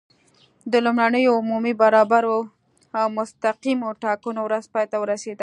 د لومړنیو عمومي، برابرو او مستقیمو ټاکنو ورځ پای ته ورسېده.